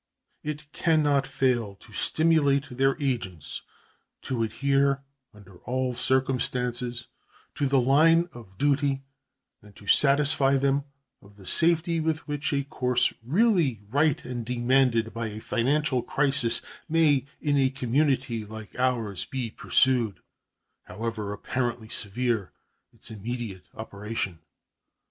It can not fail to stimulate their agents to adhere under all circumstances to the line of duty and to satisfy them of the safety with which a course really right and demanded by a financial crisis may in a community like ours be pursued, however apparently severe its immediate operation.